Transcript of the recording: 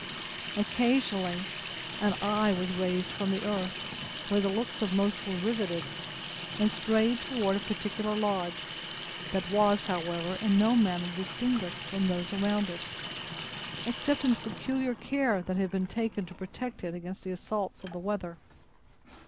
Occasionally an eye was raised from the earth, where the looks of most were riveted, and strayed toward a particular lodge, that was, however, in no manner distinguished from those around it, except in the peculiar care that had been taken to protect it against the assaults of the weather.